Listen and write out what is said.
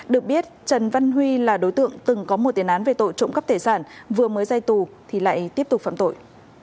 được biết trần văn huy là đối tượng từng có một tiền án về tội trộm cắp tài sản vừa mới ra tù thì lại tiếp tục phạm tội